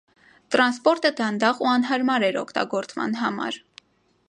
Տրանսպորտը դանդաղ ու անհարմար էր օգտագործման համար։